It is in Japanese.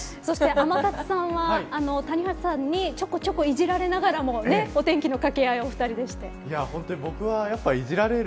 天達さんは谷原さんにちょこちょこいじられながらもお天気の掛け合いをお二人でしている。